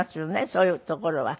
そういうところは。